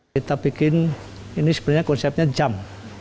kita bikin ini sebenarnya konsepnya jam